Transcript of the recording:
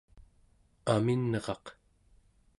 aminraq